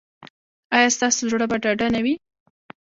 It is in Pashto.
ایا ستاسو زړه به ډاډه نه وي؟